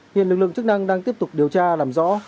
hiện lực lượng chức năng đang tiếp tục điều tra làm rõ